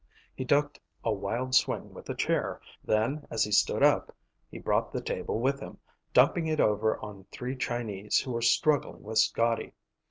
He ducked a wild swing with a chair, then as he stood up he brought the table with him, dumping it over on three Chinese who were struggling with Scotty.